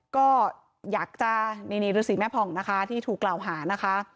ก็อยากจะนี่ฤษีแม่ผ่องนะคะที่ถูกกล่าวหานะคะ